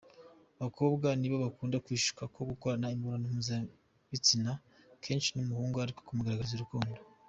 Abakobwa nibo bakunda kwishuka ko gukorana imibonano mpuzabitsina kenshi ni umuhungu ariko kumugaragariza urukundo.